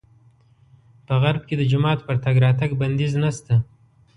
په غرب کې د جومات پر تګ راتګ بندیز نه شته.